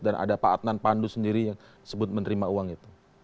dan ada pak adnan pandu sendiri yang disebut menerima uang itu